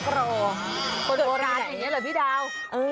ตัวละแห่งงี้เหรอพี่ดาว